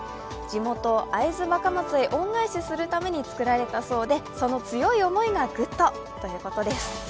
地元・会津若松へ恩返しするために作られたそうでその強い思いがグッドということです。